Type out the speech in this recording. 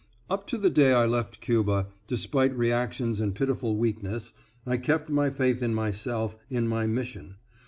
Up to the day I left Cuba, despite reactions and pitiful weakness, I kept my faith in myself, in my mission.